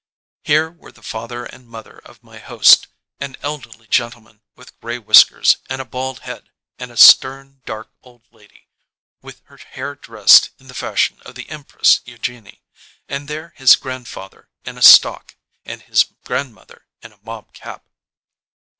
Here were the father and mother of my host, an elderly gentle man with grey whiskers and a bald head and a stern dark old lady with her hair dressed in the fashion of the Empress Eugenie, and there his grandfather in a stock and his grandmother in a mob cap.